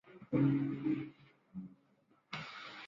随署云贵总督。